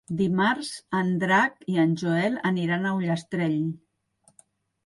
Dimarts en Drac i en Joel aniran a Ullastrell.